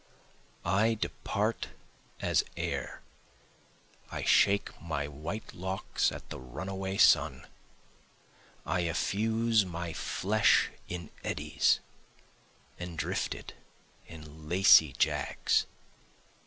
I depart as air, I shake my white locks at the runaway sun, I effuse my flesh in eddies, and drift it in lacy jags.